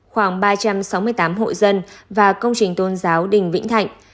khoảng ba trăm sáu mươi tám hộ dân và công trình tôn giáo đình vĩnh thạnh